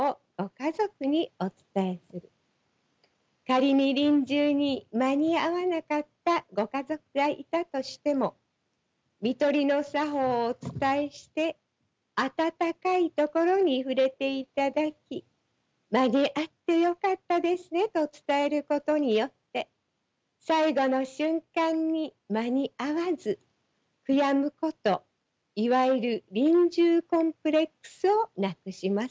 仮に臨終に間に合わなかったご家族がいたとしても看取りの作法をお伝えして温かい所に触れていただき間に合ってよかったですねと伝えることによって最期の瞬間に間に合わず悔やむこといわゆる臨終コンプレックスをなくします。